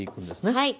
はい。